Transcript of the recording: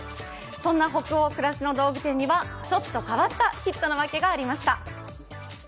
そんな「北欧、暮らしの道具店」にはちょっと変わったヒットの訳がありました。